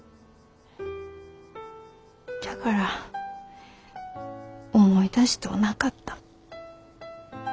じゃから思い出しとうなかった。